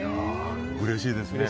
うれしいですね。